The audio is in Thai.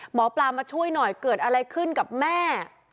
หมอปลามาช่วยหน่อยเกิดอะไรขึ้นกับแม่